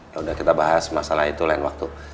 yaudah kita bahas masalah itu lain waktu